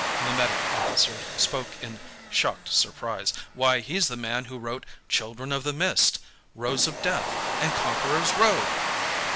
The medic officer spoke in shocked surprise. "Why, he's the man who wrote 'Children of the Mist', 'Rose of Death', and 'Conqueror's Road'!"